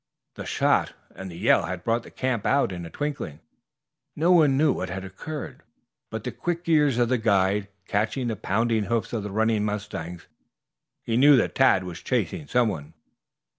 The shot and the yell had brought the camp out in a twinkling. No one knew what had occurred, but the quick ears of the guide catching the pounding hoofs of the running mustangs, he knew that Tad was chasing someone.